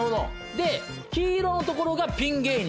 で黄色の所がピン芸人。